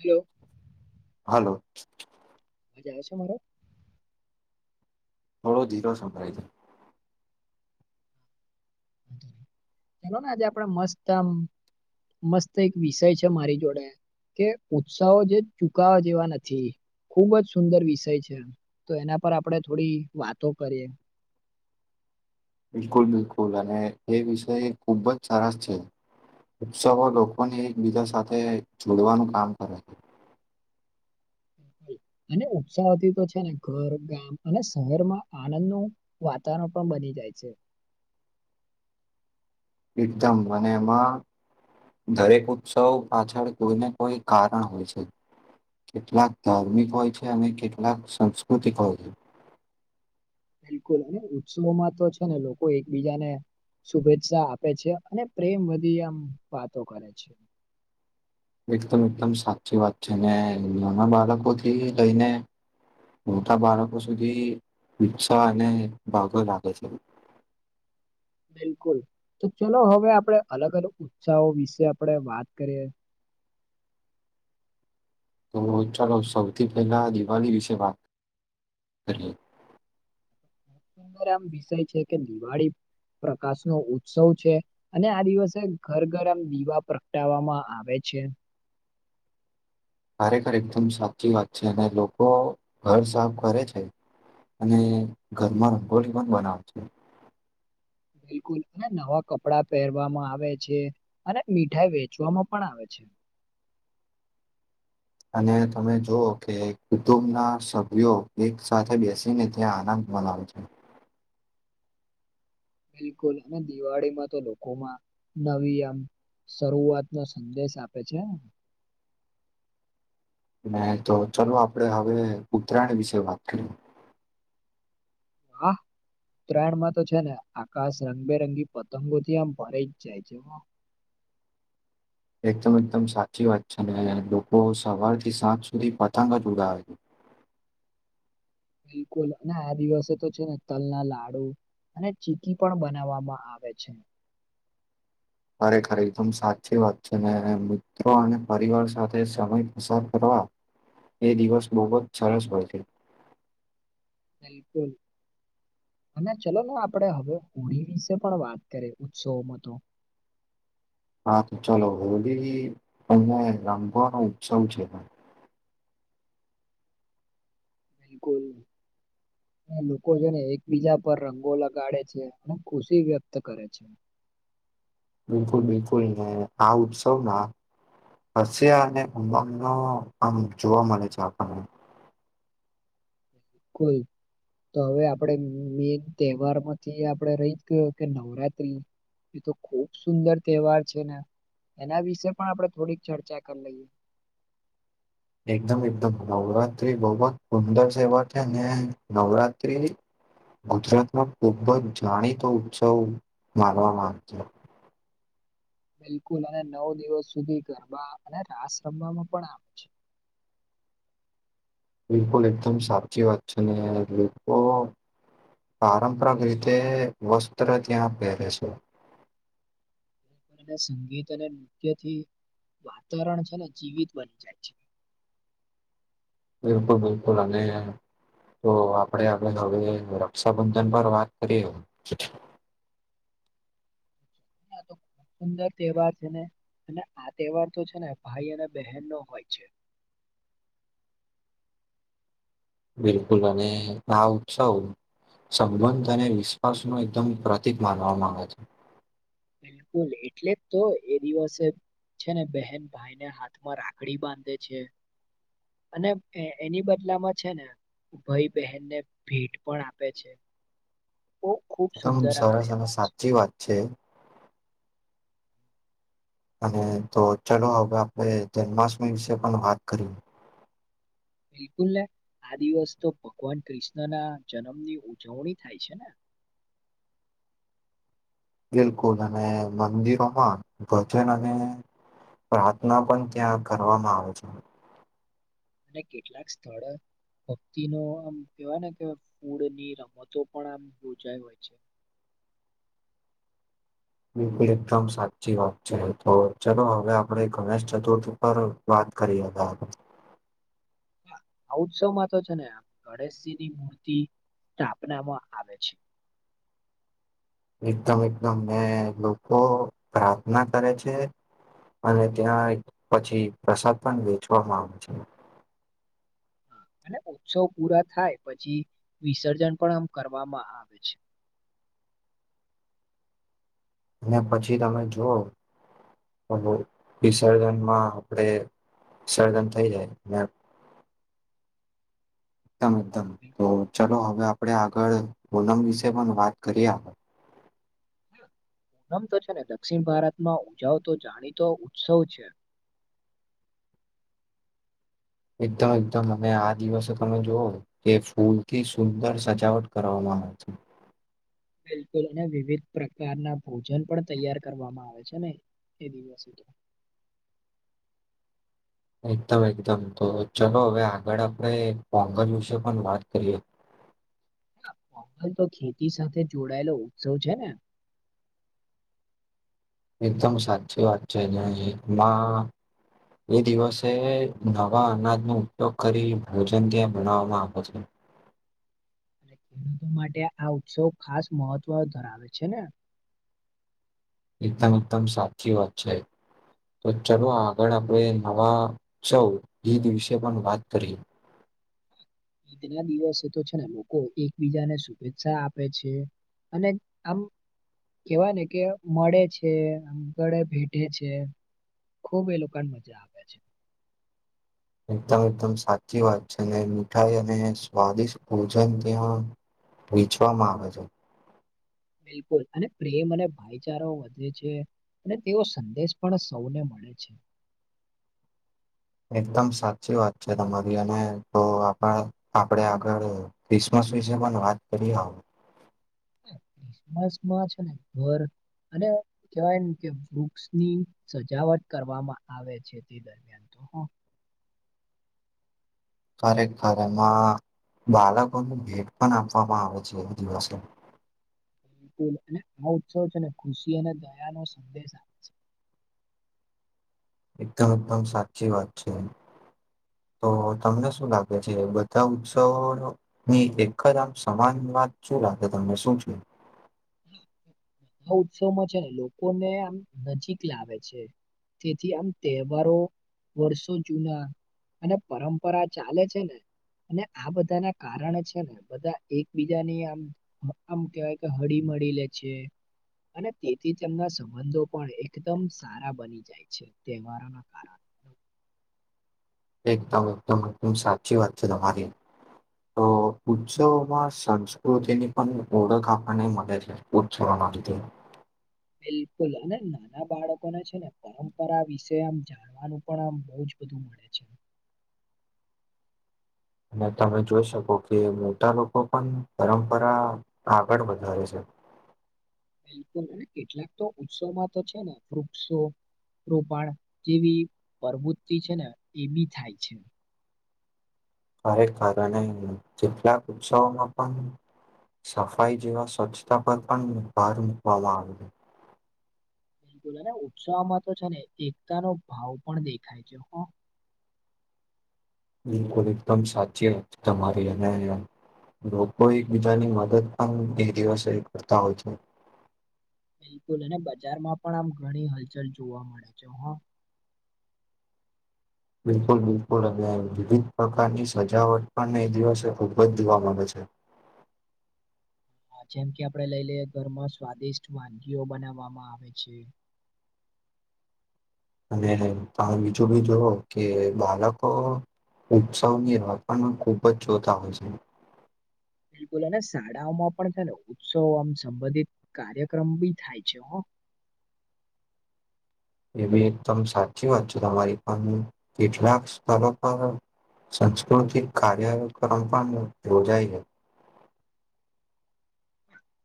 હ્યો હાલો જાય છે મારો થોડો જીરો સંભળાય જ ચલો ને આજે આપડે મસ્તમ મસ્ત એક વિષય છે મારી જોડે કે ઉત્સાહો જે ચુકાવા જેવા નથી ખૂબ જ સુંદર વિષય છે તો એના પર આપણે થોડી વાતો કરીએ [inaudible] બિલકુલ બિલકુલ અને એ વિષય ખુબ જ સરસ છે ઉત્સવો લોકોને એકબીજા સાથે જોડવાનું કામ કરે છે [inaudible] [inaudible] અને ઉત્સાહથી તો છે ને ઘર ગામ અને શહેરમાં આનંદ નુવાતાવરણ પણ બની જ ાય છે એકદમ મને એમાં દરેક ઉત્સવ પાછળ કોઈને કોઈ કારણ હોય છે કેટલાક ધાર્મિક હોય છે અને કેટલાક સંસ્કૃતિક હોય છે બિલકુલ અને ઉત્સવમાં તો છે ને લોકો એકબીજાને શુભેચ્છા આપે છે અને પ્રેમ વધી આમ વાતો કરે છે એકદમ એકદમ સાચી વાત છે નાના બાળકો થી લઈને મોટા બાળકો સુધી ઉિકસા અને ભાગો લાગે છે [inaudible] બિલકુલ તો ચલો હવે આપણેે અલગ અલગ ઉત્સાહો વિશે આપણે વાત કરીએ [inaudible] તો ચાલો સૌથી પહેલા દિવાળી વિશે વાત હ સુંંદર આમ વિષય છે કે દિવાળી પ્રકાશ નો ઉત્સવ છે અને આ દિવસે ઘર ઘર આમ દીવા પ્રગટાવવામાં આવે છે અ છે ખરેખર એકદમ સાચી વાત છે અને લોકો ઘર સાફ કરે છે અને ઘરમાં રંગોળી પણ બનાવ છે બિલકુલ અને નવા કપડા પહેરવામાં આવે છે અને મીઠાઈ વેચવામાં પણ આવે છે [inaudible] અને તમે જોુવ કે કુટુંબ ના સભ્યો એક સાથે બેસીને ત્યાં આનંદ મના હાલ છે બિલકુલ અને દિવાળીમાં તો લોકોમાં નવી આમ શરૂઆત નો સંદેશ આપે છે ને તો ચાલ આપડે હવે ઉત્તરાયણ વિશે વાત કરીએ હા ઉત્તરાયણમાં તો છે ને આકાશ રંગબેરંગી પતંગોથી આમ ભરાય જાય છે એકદમ એકદમ સાચી વાત છે ને લોકો સવાર થી સાંજ સુધી પતંગ જ ઉડાવે છે બિલકુલ અને આ દિવસે તો છે ને તલના લાડુ અને ચીકી પણ બનાવવામાં આવે છે ખરેખરદમ સાચી વાત છે ને મિત્રો અને પરિવાર સાથે સમય પસાર કરવા એ દિવસ બહુ જ સરસ હોય છે. બિલકુલ. અને ચલો ને આપણે હવે હોળી વિશે પણ વાત કરીએ ઉત્સવમાં તો. [inaudible] હા તો ચલો. હોલી અને રમવાનો ઉત્સવ છે. [inaudible] બિલકુલ. ને લોકો જેને એકબીજા પર રંગો લગાડે છે, અને ખુશી વ્યક્ત કરે છે. [inaudible] બિલકુલ-બિલકુલ ને આ ઉત્સવ ના હશે અને ઉમંગનો આમ જોવા મળે છે આપણને. કોઈ તો હવે આપણેે મેન તહેવાર માંથી આપણે રહી જ ગયો કે નવરાત્રી. એ તો ખુબ સુંદર તહેવાર છે ને. એના વિશે પણ આપણે થોડીક ચર્ચા કર લઈએ. એકદમ-એકદમ. નવરાત્રી બહુ જ સુંદર સહેવાર છે ને, નવરાત્રી ગુજરાતમાં ખૂબ જ જાણીતો ઉત્સવ માનવામાં આવે છે. બિલકુલ અને નવ દિવસ સુધી ગરબા અને રાસ રમવામાં પણ આવે છે. બિલકુલ એકદમ સાચી વાત છે, ને [unintelligible] પારંપરાક રીતે વસ્ત્ર ત્યાં પહેરે છે. [inaudible] અને સંગીત અને નૃત્યથી વાતાવરણ છે ને જીવિત બની જાય છે. બિલકુલ-બિલકુલ. અને તો આપડે આગળ હવે રક્ષાબંધન પર વાત કરીએ. [inaudible] [inaudible] સુંદર તહેવાર છે ને. અને આ તહેવાર તો છે ને ભાઈ અને બહેન નો હોય છે. બિલકુલ અને આ ઉત્સવ સંબંધ અને વિશ્વાસ નો એકદમ પ્રતિક માનવામાં આવે છે. બિલકુલ. એટલે જ તો એ દિવસે છે ને બહેન ભાઈને હાથમાં રાખડી બાંધે છે. અને એ એની બદલામાં છે ને ભઈ બહેનને ભેટ પણ આપે છે. બહુ ખુબ એકદમ સુંદર આમ સરસ અને તહેવાર છે સાચી વાત છે. અને તો ચલો હવે આપણે જન્માષ્ટમી વિશે પણ વાત કરી. બિલકુલ ને. આ દિવસ તો ભગવાન કૃષ્ણ ના જન્મની ઉજવણી થાય છે ને. બિલકુલ. અને મંદિરોમાં ભજન અને પ્રાર્થના પણ ત્યાં કરવામાં આવે છે. અને કેટલાક સ્થળો ભક્તિ નું આમ કેવાય ને કે ફૂડની રમતો પણ આમ યોજાઈ હોય છે. [inaudible] બિલકુલ એકદમ સાચી વાત છે. તો ચલો હવે આપડે ગણેશ ચતુર્થી પર વાત કરી [unintelligible] [inaudible] આ ઉત્સવમાં તો છે ને આમ ગણેશજી ની મૂર્તિ સ્થાપનામાં આવે છે. એકદમ-એકદમ, ને લોકો પ્રાર્થના કરે છે. અને ત્યાં પછી પ્રસાદ પણ વેચવામાં આવે છે. અને ઉત્સવ પૂરા થાય પછી વિસર્જન પણ આમ કરવામાં આવે છે. અને પછી તમે જોઓ [unintelligible] વિસર્જનમાં આપણેે સર્જન થઈ જાય મે ધમ ધમ તો ચાલો હવે આપણેે આગળ પૂનમ વિશે પણ વાત કરીએ આપ પૂનમ તો છે ને દક્ષિણ ભારતમાં ઉજાવતો જાણીતો ઉત્સવ છે એકદમ એકદમ અને આ દિવસે તમે જુવો કે ફૂલ થી સુંદર સજાવટ કરવાનો હા બિલકુલ અને વિવિધ પ્રકારના ભોજન પણ તૈયાર કરવામાં આવે છે ને એે દિવસે તો એકદમ એકદમ તો ચલો હવે આગળ આપણેે પોંગલ વિશે પણ વાત કરીએ પોંગલ તો ખેતી સાથે જોડાયેલો ઉત્સવ છે ને એકદમ સાચી વાત છે ને [unintelligible] માં એ દિવસે નવા અનાજનો ઉપયોગ કરી ભોજન ત્યાં બનાવવામાં આવે છે અને ખેડૂતો માટે આ ઉત્સવ ખાસ મહત્વ ધરાવે છે ને એકદમ એકદમ સાચી વાત છે તો ચલો આગળ આપણે નવા ચૌ હઈદ વિશે પણ વાત કરીએ ઈદ ના દિવસે તો છે ને લોકો એકબીજાને શુભેચ્છા આપે છે અને આમ કેવા ને કે મળે છેને આગળે ભેટેે છે ખૂબ એ લોકોની મજા આવે છે એકદમ એકદમ સાચી વાત છે ને મીઠાઈ અને સ્વાદિષ્ટ ભોજન ત્યાં વેચવામાં આવે છે બિલકુલ અને પ્રેમ અને ભાઈચારો વધે છે અને તેવ સંદેશ પણ સૌને મળે છે એકદમ સાચી વાત છે તમારી અને તો આપ આપડે આગળ ક્રિસમસ વિશે પણ વાત કરી હ ક્રિસમસમાં છે ને ઘર અને કહેવાય કે વૃક્ષની સજાવટ કરવામાં આવે છે તે દરમિયાન હા ખરેખરે એમાં બાળકોની ભેટ પણ આપવામાં આવે છે એ દિવસે બિલકુલ અને આ ઉત્સવ છે ને ખુશી અને દયા નો સંદેશ આપે છે એકદમ એકદમ સાચી વાત છે તો તમને શું લાગે છે બધા ઉત્સવ ની એક જ આમ સમાન માત શું લાગે તમને શું છે [inaudible] ઉત્સવમાં છે ને લોકો ને આમ નજીક લાવે છે તેથી આમ તહેવારો વર્ષો જુના અને પરંપરા ચાલે છે ને અને આ બધા ના કારણ છે ને બધા એકબીજાની આમ આમ કેવાય કે હળી મળી લે છે અને તેથી તેમના સંબંધો પણ એકદમ સારા બની જાય છે તહેવારોના કારણે [inaudible] એકદમ એકદમ એકદમ સાચી વાત છે તમારી તો ઉત્સવોમાં સંસ્કૃતિની પણ ઓળખ આપણને મળે છે ઉજવા મા [unintelligible] [inaudible] બિલકુલ અને નાના બાળકોને છે ને પરંપરા વિશે આમ જાણવાનું પણ આમ બહું જ બધું મળે છે. અને તમે જોઈ શકો કે મોટા લોકો પણ પરંપરા આગળ વધારે છે. બિલકુલ અને કેટલાક તો ઉત્સવમાં તો છે, ને વૃક્ષો રોપણ જેવી પ્રવૃત્તિ છે, ને એ બી થાય છે. કરે કારણે કેટલાક ઉત્સવોમાં પણ સફાઈ જેવા સ્વચ્છતા પર પણ ભાર મુૂકવામાં આવે્યો બિલકુલ અને ઉત્સાહમાં તો છે, ને એકતા નો ભાવ પણ દેખાય છે. [unintelligible] [inaudible] બિલકુલ એકદમ સાચી તમારી અને લોકો એકબીજાની મદદ પણમ એ દિવસે કરતા હોય છે. બિલકુલ અને બજારમાં પણ આમ ઘણી હલચલ જોવા મળે છે. હા બિલકુલ બિલકુલ અને વિવિધ પ્રકારની સજાવટ પણ એ દિવસે ખૂબ જ જોવા મળે છે. [unintelligible] [inaudible] જેમ કે આપડે લઈ લઈએ ઘરમાં સ્વાદિષ્ટ વાનગીઓ બનાવવામાં આવે છે. [unintelligible] [inaudible] અને તમે બીજું બી જોઓ કે બાળકો ઉત્સવની રપણમાં ખૂબ જ જોથ હો છે. બિલકુલ અને શાળાઓમાં પણ છે ને ઉત્સવમ સંબંધિત કાર્યક્રમ બી થાય છે. [unintelligible] [inaudible] એ બી એકદમ સાચી વાત છે. તમારી પાસે કેટલાક સ્થળ પર સંસ્કૃતિક કાર્ય પરંપરા યોજાય છે.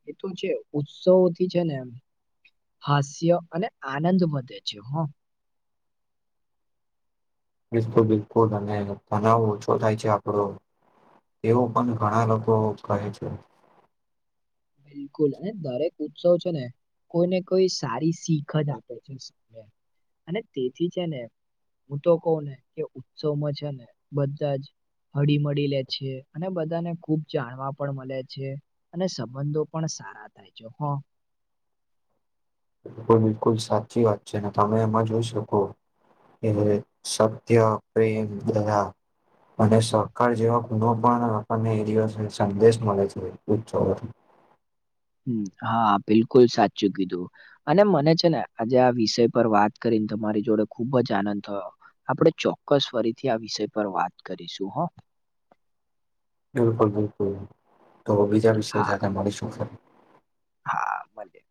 એ તો છે ઉત્સવોથી છે ને એમ હાસ્ય અને આનંદ વધે છે. હ બિલકુલ બિલકુલ અને તનાવ ઓછો થાય છે. આપડો એવું પણ ઘણા લોકો કહે છે. બિલકુલ અને દરેક ઉત્સવ છે, ને કોઈને કોઈ સારી શીખ જ આપે છે, અને તેથી છે ને હું તો કહું ને કે ઉત્સવમાં છે ને બધા જ હળી મળી લે છે અને બધાને ખુબ જાણવા પણ મળે છે અને સંબંધો પણ સારા થાય છે. બિલકુલ બિલકુલ સાચી વાત છે ને તમે એમાં જોઈ શકો એ સત્ય, પ્રેમ, દયા અને સહકાર જેવા કોનો પણ આપણને એ દિવસ સંદેશ મળે છે. [unintelligible] [inaudible] હા, બિલકુલ સાચું કીધું અને મને છે ને આજે આ વિષય પર વાત કરી કરીને તમારી જોડે ખુબ જ આનંદ થયો. આપણે ચોક્કસ ફરીથી આ વિષય પર વાત કરીશું. હ બિલકુલ બિલકુલ તો બીજા વિષય હા સાથે મળીશું. હા મળીએ